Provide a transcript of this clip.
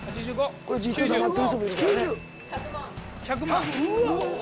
１００万。